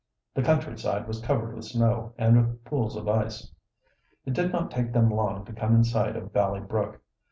The countryside was covered with snow and with pools of ice. It did not take them long to come in sight of Valley Brook.